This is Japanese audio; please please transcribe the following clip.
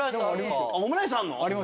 オムライスあんの？